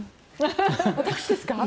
私ですか？